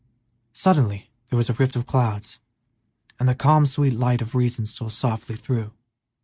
Suddenly there was a rift in the clouds, and the calm, sweet light of reason stole softly through.